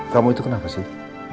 kamu itu kenapa sih